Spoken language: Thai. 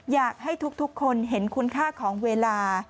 อยากให้ทุกคนเห็นคุณค่าของเวลา